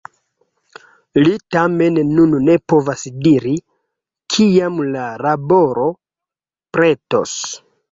Li tamen nun ne povas diri, kiam la laboro pretos.